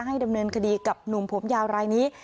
ดำเนินคดีกับหนุ่มผมยาวรายนี้